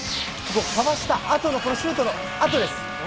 かわしたあと、シュートのあと。